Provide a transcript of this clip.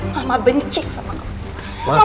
mama benci sama kamu